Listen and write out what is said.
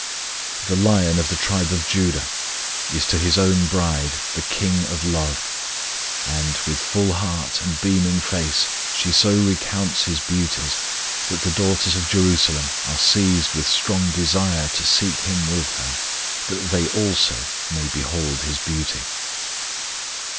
The LION of the tribe of Judah is to His own bride the KING of love; and, with full heart and beaming face, she so recounts His beauties that the daughters of Jerusalem are seized with strong desire to seek Him with her, that they also may behold His beauty.